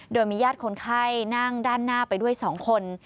โดยมีญาติคนไข้นั่งด้านหน้าไปด้วย๒คน